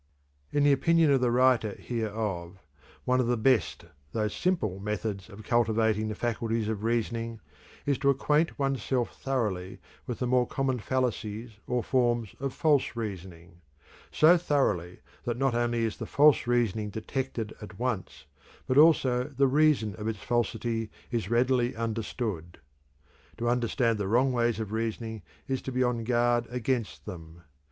In the opinion of the writer hereof, one of the best though simple methods of cultivating the faculties of reasoning is to acquaint one's self thoroughly with the more common fallacies or forms of false reasoning so thoroughly that not only is the false reasoning detected at once but also the reason of its falsity is readily understood. To understand the wrong ways of reasoning is to be on guard against them.